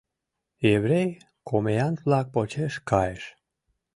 Еврей комеянт-влак почеш кайыш.